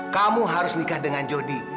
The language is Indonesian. kamu harus nikah dengan jody